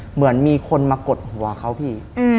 เหมือนมีคนมากดหัวเขาพี่